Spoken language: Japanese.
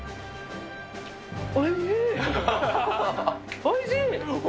おいしい。